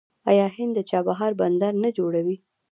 آیا هند د چابهار بندر نه جوړوي؟